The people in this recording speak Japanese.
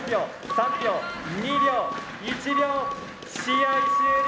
３秒２秒１秒試合終了！